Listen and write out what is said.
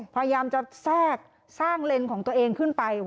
พยายามจะแทรกสร้างเลนส์ของตัวเองขึ้นไป